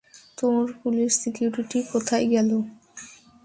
তোর police security কোথায় গেলো?